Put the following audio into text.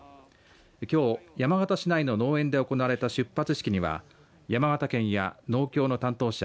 きょう、山形市内の農園で行われた出発式には山形県や農協の担当者